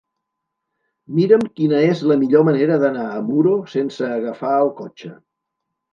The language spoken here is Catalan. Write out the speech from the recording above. Mira'm quina és la millor manera d'anar a Muro sense agafar el cotxe.